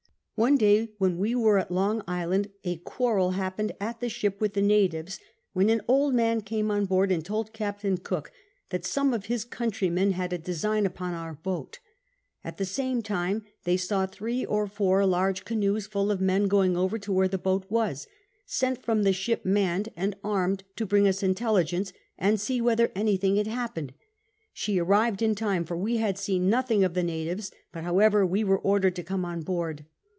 One day when we wcin at Long Island a (piarrel happeiiM at the ship Avith tin*. Natives avIicii an old man came on boaixl and told Capt. Cook that some of Ins countrymen had a design upon our boat ; at the same time they saAV 3 or 4 learge Ciinoes full of men going over to where the boat was ; sent from the ship manM and arm'd to bring us intebgeiice and see whether any thing had happen'd ; She arrived in time for av( 5 liiwl seen nothing of the Natives but lioweA^er we w^ere order'd to come on board.